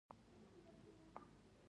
آیا قاچاق بند شوی؟